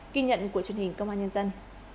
kinh nhận của truyền hình công an nhân dân